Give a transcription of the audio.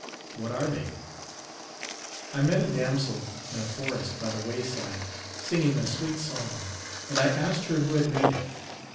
— What are they ?— I met a damsel in a forest by the way side, singing a sweet song, and I asked her who had made it.